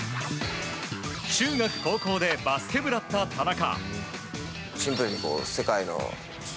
中学高校でバスケ部だった田中。